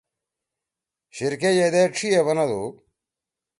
شیِر کے ییدے ڇھی ئے بنَدُو: